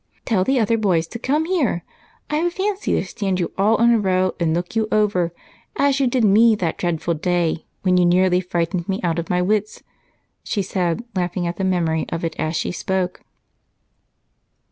"Tell the other boys to come here. I've a fancy to stand you all in a row and look you over, as you did me that dreadful day when you nearly frightened me out of my wits," she said, laughing at the memory of it as she spoke.